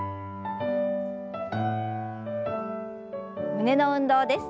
胸の運動です。